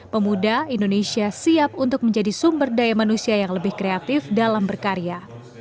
pemuda indonesia siap untuk menjadi sumber daya manusia yang lebih kreatif dalam berkarya